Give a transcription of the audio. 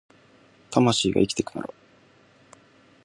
魂が生きてくなら